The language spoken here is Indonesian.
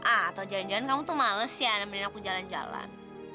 atau jangan jangan kamu tuh males ya nemenin aku jalan jalan